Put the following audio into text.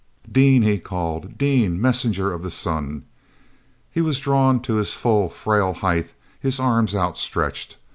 "Dean!" he called. "Dean—Messenger of the Sun!" He was drawn to his full frail height, his arms outstretched.